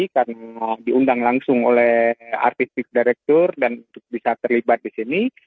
karena diundang langsung oleh artisik direktur dan bisa terlibat di sini